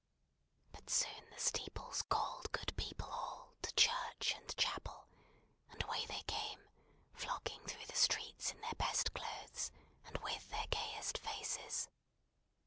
But soon the steeples called good people all, to church and chapel, and away they came, flocking through the streets in their best clothes, and with their gayest faces.